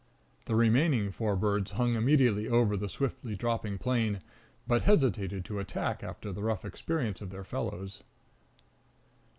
The remaining four birds hung immediately over the swiftly dropping plane, but hesitated to attack after the rough experience of their fellows.